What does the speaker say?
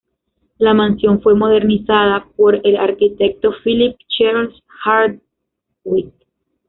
La mansión fue modernizada por el arquitecto Philip Charles Hardwick.